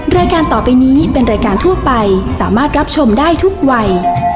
รายการต่อไปนี้เป็นรายการทั่วไปสามารถรับชมได้ทุกวัย